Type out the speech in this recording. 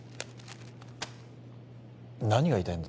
何が言いたいんだ？